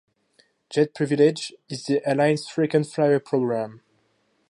JetPrivilege is the airline's frequent-flyer programme.